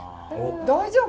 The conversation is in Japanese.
大丈夫？